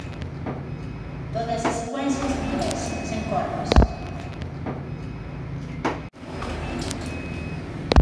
Todas as secuencias dunha vez, sen cortes.